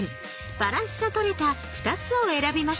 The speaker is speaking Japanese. バランスの取れた２つを選びました。